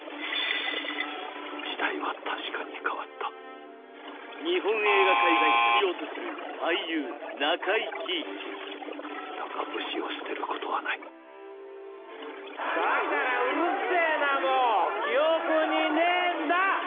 時代は確かに変わった日本映画界が必要とする俳優中井貴一だが武士を捨てることはないだからうるせえなもう記憶にねえんだ！